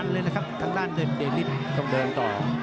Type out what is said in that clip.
ครึ่งทางด้านเด็ดฤทธิ์ต้องเดินต่อ